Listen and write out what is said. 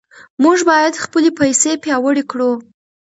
موږ باید خپلې پیسې پیاوړې کړو.